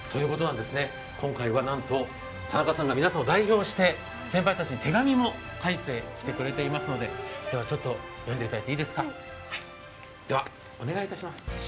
今回はなんと田中さんが皆さんを代表して先輩たちに手紙も書いてくれていますので、読んでいただいていいですか。